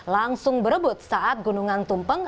langsung berebut saat gunungan tumpeng